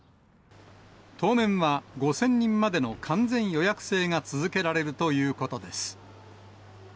当面は、５０００人までの完全予約制が続けられるということです。